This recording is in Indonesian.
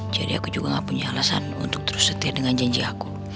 jadi aku juga ga punya alasan untuk terus setia dengan janji aku